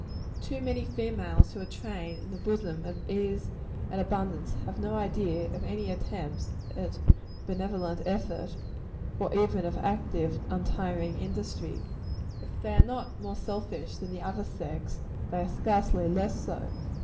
Too many females who are trained in the bosom of ease and abundance, have no idea of any attempts at benevolent effort, or even of active, untiring industry. If they are not more selfish than the other sex, they are scarcely less so.